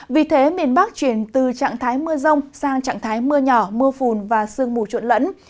vì thế miền bắc chuyển từ trạng thái mưa rông sang trạng thái mưa nhỏ mưa phùn và sương mù chuộn lẫn